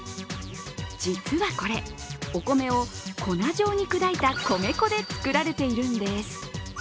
実はこれ、お米を粉状に砕いた米粉で作られているんです。